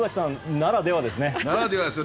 ならではですね。